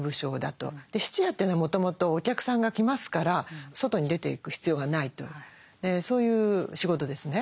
質屋というのはもともとお客さんが来ますから外に出ていく必要がないとそういう仕事ですね。